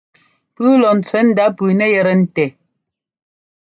Pʉ́ʉ lɔ ńtsẅɛ́ ndá pʉ́ʉ nɛ yɛtɛ ńtɛ́.